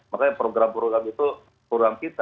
makanya program program itu program kita